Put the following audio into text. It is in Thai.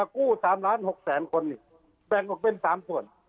กู้๓ล้าน๖แสนคนแบ่งออกเป็น๓ส่วน